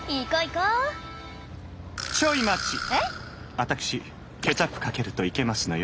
あたくしケチャップかけるといけますのよ。